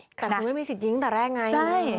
แต่คุณไม่มีสิทธิตั้งแต่แรกไง